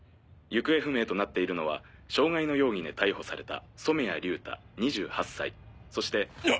行方不明となっているのは傷害の容疑で逮捕された染谷竜太２８歳そして。